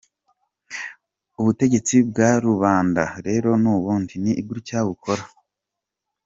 Ubutegetsi bwa rubanda rero n’ubundi, ni gutya bukora.